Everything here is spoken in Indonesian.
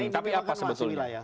tapi apa sebetulnya